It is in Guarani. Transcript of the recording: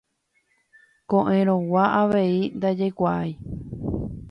Ko'ẽrõgua avei ndajaikuáai.